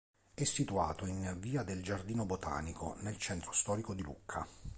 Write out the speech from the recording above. È situato in via del Giardino Botanico, nel centro storico di Lucca.